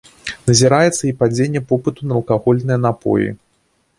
Назіраецца і падзенне попыту на алкагольныя напоі.